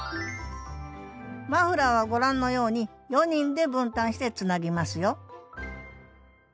マフラーはご覧のように４人で分担してつなぎますよ